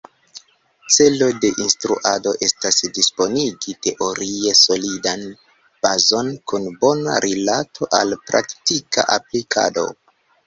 Celo de instruado estas disponigi teorie solidan bazon kun bona rilato al praktika aplikado.